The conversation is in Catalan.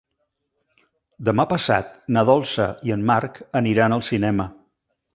Demà passat na Dolça i en Marc aniran al cinema.